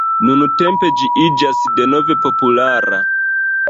Nuntempe ĝi iĝas denove populara.